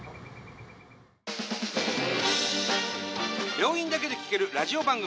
病院だけで聴けるラジオ番組！